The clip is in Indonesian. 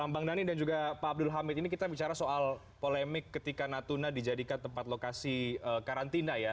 bang dhani dan juga pak abdul hamid ini kita bicara soal polemik ketika natuna dijadikan tempat lokasi karantina ya